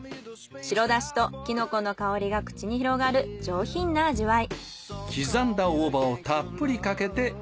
白だしとキノコの香りが口に広がる上品な味わい。